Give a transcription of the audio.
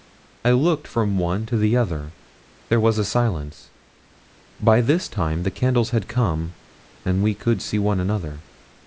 I looked from one to the other there was a silence. By this time the candles had come, and we could see one another.